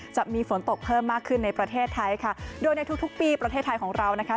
จะมีฝนตกเพิ่มมากขึ้นในประเทศไทยค่ะโดยในทุกทุกปีประเทศไทยของเรานะคะ